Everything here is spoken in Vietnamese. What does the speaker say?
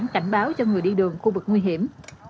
cảnh báo cho người đi đường khu vực nguy hiểm